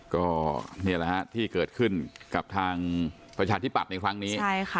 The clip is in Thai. ก็นี่แหละฮะที่เกิดขึ้นกับทางประชาธิปัตย์ในครั้งนี้